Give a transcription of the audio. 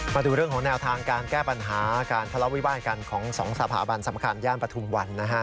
มาดูเรื่องของแนวทางการแก้ปัญหาการทะเลาวิวาสกันของสองสถาบันสำคัญย่านปฐุมวันนะฮะ